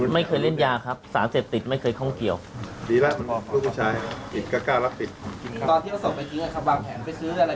บังแผนไปซื้ออะไรมาอย่างไรนะครับ